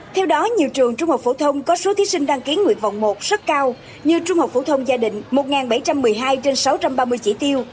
theo đó nhiều trường trung học phổ thông có số thí sinh đăng ký nguyện vọng một rất cao như trung học phổ thông gia đình một bảy trăm một mươi hai trên sáu trăm ba mươi chỉ tiêu